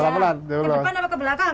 pelan pelan ke depan apa ke belakang